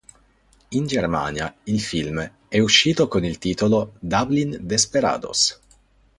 In Germania il film è uscito con il titolo "Dublin Desperados".